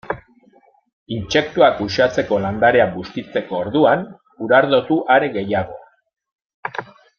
Intsektuak uxatzeko landarea bustitzeko orduan, urardotu are gehiago.